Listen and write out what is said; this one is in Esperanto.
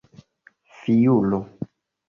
fiulo